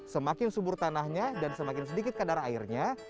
semakin subur tanahnya dan semakin sedikit kadar airnya